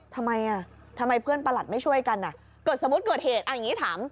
ทำไมเพื่อนประหลัดไม่ช่วยกันสมมติเกิดเหตุอ่ะอย่างนี้ถาม